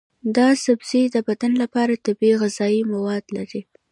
دا سبزی د بدن لپاره طبیعي غذایي مواد لري.